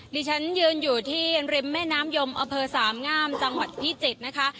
ดิฉันยืนอยู่ที่ริมแม่น้ำยมอเภอสามงามจังหวัดพิจิตรนะคะ